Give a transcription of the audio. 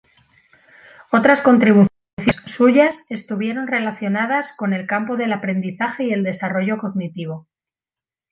Otras contribuciones suyas estuvieron relacionadas con el campo del aprendizaje y el desarrollo cognitivo.